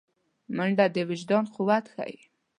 منډه د وجدان قوت ښيي